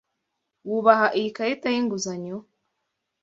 Wubaha iyi karita y'inguzanyo?